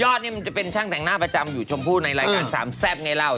มันจะเป็นช่างแต่งหน้าประจำอยู่ชมพู่ในรายการสามแซ่บไงเรา